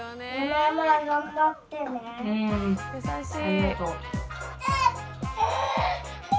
優しい。